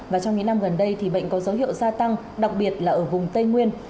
và trong những năm gần đây thì bệnh có dấu hiệu gia tăng đặc biệt là ở vùng tây nguyên